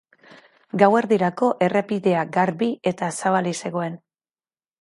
Gauerdirako errepidea garbi eta zabalik zegoen.